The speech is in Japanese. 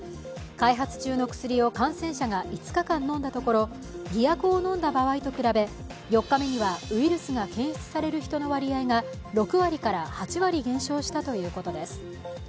開発中の薬を感染者が５日間飲んだところ、偽薬を飲んだ場合と比べ４日目にはウイルスが検出される人の割合が６割から８割減少したということです